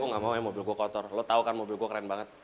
gue gak mau ya mobil gue kotor lo tau kan mobil gue keren banget